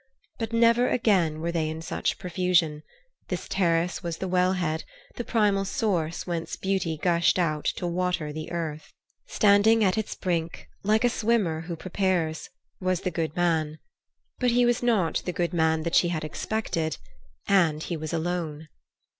But never again were they in such profusion; this terrace was the well head, the primal source whence beauty gushed out to water the earth. Standing at its brink, like a swimmer who prepares, was the good man. But he was not the good man that she had expected, and he was alone.